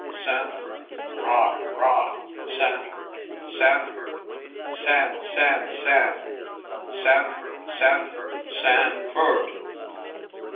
Sanford! Rah, rah! Sanford! Sanford! San San San San ford, San ford San FORD!"